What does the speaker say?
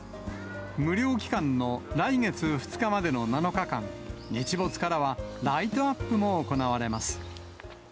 無料期間の来月２日までの７日間、日没からはライトアップも行われます。